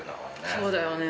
そうだよね。